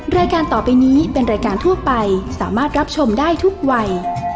รายการต่อไปนี้เป็นรายการทั่วไปสามารถรับชมได้ทุกวัย